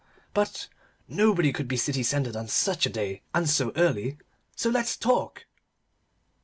But nobody could be city centred on such a day, and so early. So let's talk."